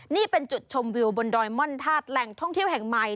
นี่เป็นจุดชมวิวบนดอยม่อนธาตุแหล่งท่องเที่ยวแห่งใหม่